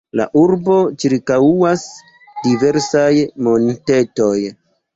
La urbon ĉirkaŭas diversaj montetoj.